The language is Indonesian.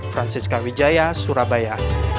francisca wijaya surabaya